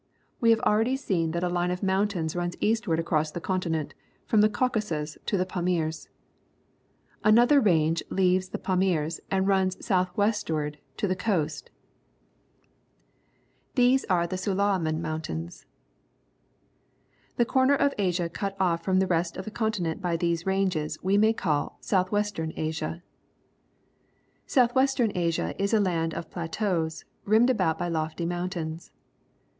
We have already seen that a line of mountains runs eastward across the continent from the Caucasus to the Pamirs. Another range leaves the Pamirs and runs south westward to the coast. These are tjie Sidaijnan Mountains. ^^^^^^^■tthkl^ .. HP^ ^^^^S^^''^ ^ gn 1 ^'^ M Primitive People of Northern Asia The corner of Asia cut off from the rest of the continent by these ranges we may call South ive stern Asia. South western Asia is a land of plateaus, rimmed about by lofty mountains.